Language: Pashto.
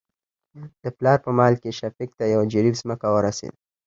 د پلار په مال کې شفيق ته يو جرېب ځمکه ورسېده.